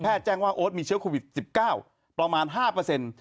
แพทย์แจ้งว่าโอ๊ตมีเชื้อโควิด๑๙ประมาณ๕